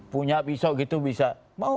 punya pisau gitu bisa